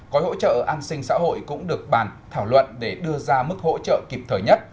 gói hỗ trợ an sinh xã hội cũng được bàn thảo luận để đưa ra mức hỗ trợ kịp thời nhất